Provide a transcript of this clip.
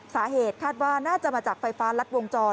สาเหตุคาดว่าน่าจะมาจากไฟฟ้ารัดวงจร